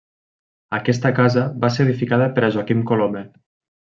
Aquesta casa va ser edificada per a Joaquim Colomer.